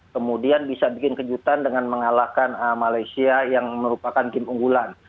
kemudian bisa bikin kejutan dengan mengalahkan malaysia yang merupakan tim unggulan